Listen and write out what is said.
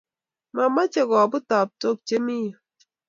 Mameche koput taptok che mi yu